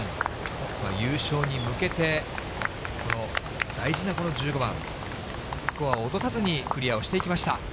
優勝に向けて、この大事な１５番、スコアを落とさずにクリアをしていきました。